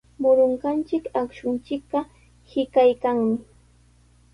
Murunqachik akshunchikqa hiqaykannami.